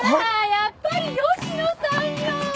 やっぱり吉野さんよ！